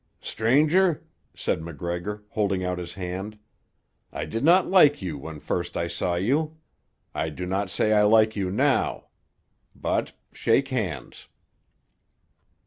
"Stranger," said MacGregor, holding out his hand, "I did not like you when first I saw you. I do not say I like you now. But—shake hands."